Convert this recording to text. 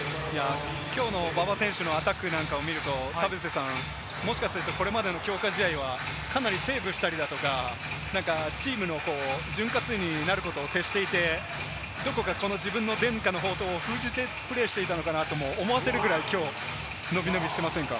きょうの馬場選手のアタックなんかを見ると、田臥さん、もしかすると、これまでの強化試合はかなりセーブしたりだとか、チームの潤滑油になることに徹していて、どこか自分の伝家の宝刀を隠してプレーしていたのかなとも思わせるぐらい、きょう伸び伸びしてませんか？